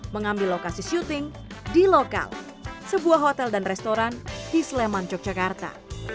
mengambil lokasi syuting di lokal sebuah hotel dan restoran di sleman yogyakarta